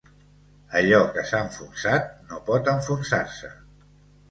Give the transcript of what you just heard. Allò que s'ha enfonsat, no pot enfonsar-se.